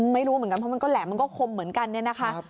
ไม่รู้เหมือนกันเพราะมันก็แหลมมันก็คมเหมือนกันเนี่ยนะคะ